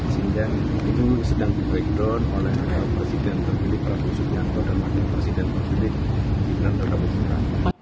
sehingga itu sedang di breakdown oleh presiden terpilih prabowo subianto dan wakil presiden terpilih gibran raka buming raka